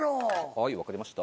はい分かりました。